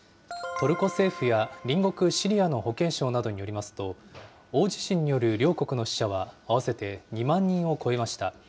トルコ政府や隣国シリアの保健省などによりますと、大地震による両国の死者は、合わせて２万人を超えました。